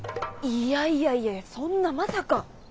いやいやいやいやそんなまさか。